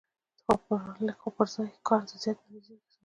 لږ خو پر ځای کار د زیاتې نتیجې سبب کېږي.